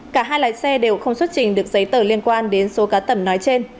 cả hai lái xe đều không xuất trình được giấy tờ liên quan đến số cá tẩm nói trên